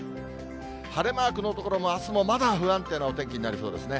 晴れマークの所も、あすもまだ不安定なお天気になりそうですね。